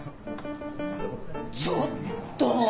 ちょっと！